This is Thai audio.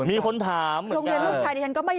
มีคนถามเหมือนกัน